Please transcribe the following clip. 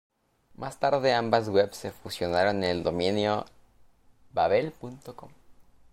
Más tarde ambas webs se fusionaron en el dominio vavel.com.